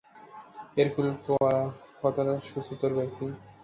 Hercule Poirot কতোটা সুচতুর ব্যক্তি!